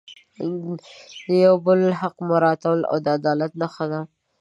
د بل حق مراعتول د عدالت نښه ده.